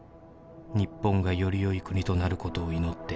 「日本がより良い国となることを祈って」